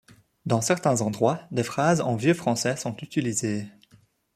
Dans certains endroits, des phrases en vieux français sont utilisées.